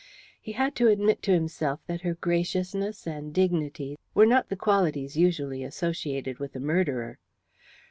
He had to admit to himself that her graciousness and dignity were not the qualities usually associated with a murderer.